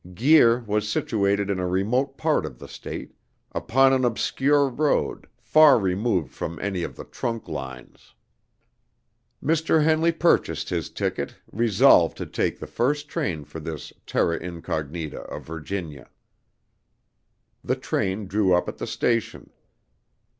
Guir was situated in a remote part of the State, upon an obscure road, far removed from any of the trunk lines. Mr. Henley purchased his ticket, resolved to take the first train for this terra incognita of Virginia. The train drew up at the station.